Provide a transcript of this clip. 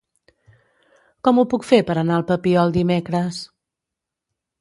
Com ho puc fer per anar al Papiol dimecres?